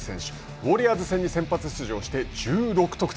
ウォーリアーズ戦に先発出場して１６得点。